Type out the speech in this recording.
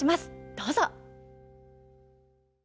どうぞ。